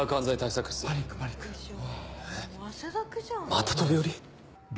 また飛び降り？